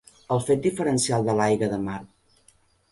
El fet diferencial de l'aigua de mar.